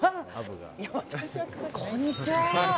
こんにちは。